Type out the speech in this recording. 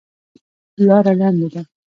لاره لنډه ده.